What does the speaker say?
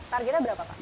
targetnya berapa pak